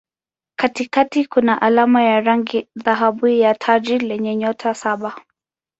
Katikati kuna alama ya rangi dhahabu ya taji lenye nyota saba.